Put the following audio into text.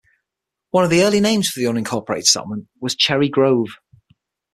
One of the early names for the unincorporated settlement was Cherry Grove.